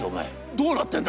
どうなってんだ！』。